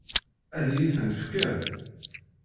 Ad iyi-ten-fken?